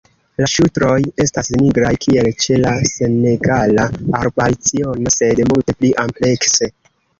La ŝultroj estas nigraj, kiel ĉe la Senegala arbalciono, sed multe pli amplekse.